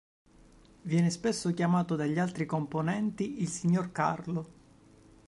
Viene spesso chiamato dagli altri componenti "Il signor Carlo".